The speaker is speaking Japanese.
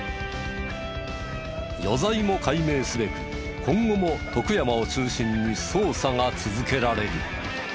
余罪も解明すべく今後も徳山を中心に捜査が続けられる。